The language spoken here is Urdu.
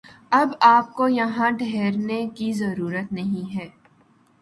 اب آپ کو یہاں ٹھہرنے کی ضرورت نہیں ہے